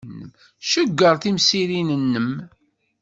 Cegger timsirin-nnem.